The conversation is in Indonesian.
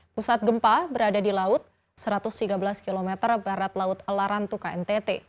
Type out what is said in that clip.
pusat gempa berada di laut satu ratus tiga belas km barat laut larantuka ntt